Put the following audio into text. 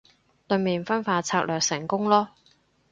對面分化策略成功囉